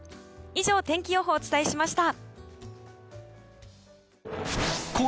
以上、天気予報をお伝えしました。